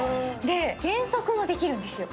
減速もできるんですよ。